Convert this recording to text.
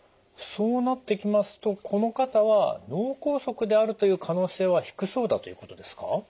そうなってきますとこの方は脳梗塞であるという可能性は低そうだということですか？